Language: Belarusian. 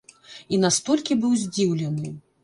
І настолькі быў здзіўлены!